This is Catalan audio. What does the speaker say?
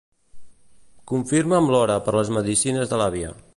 Confirma'm l'hora per les medicines de l'àvia.